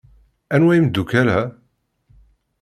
Anwa imeddukal-a?